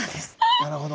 なるほど。